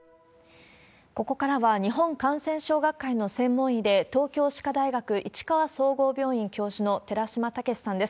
ここからは日本感染症学会の専門医で、東京歯科大学市川総合病院教授の寺嶋毅さんです。